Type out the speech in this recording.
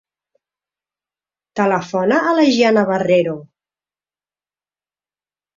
Telefona a la Gianna Barrero.